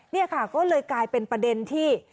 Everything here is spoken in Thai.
นี่ค่ะก็เลยกลายเป็นประเด็นที่